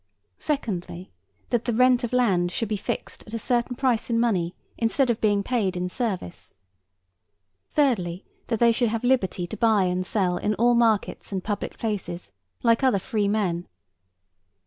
Secondly, that the rent of land should be fixed at a certain price in money, instead of being paid in service. Thirdly, that they should have liberty to buy and sell in all markets and public places, like other free men.